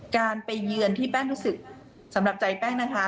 การไปเยือนที่แป้งรู้สึกสำหรับใจแป้งนะคะ